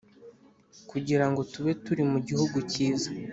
kugira ngo tube turi mu gihugu cyiza